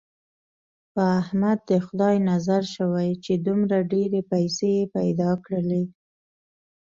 په احمد د خدای نظر شوی، چې دومره ډېرې پیسې یې پیدا کړلې.